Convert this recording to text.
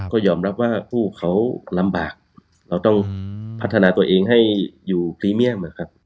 ก็ยอมรับว่าผู้เขาลำบากเราต้องพัฒนาตัวเองให้อยู่พรีเมียมนะครับ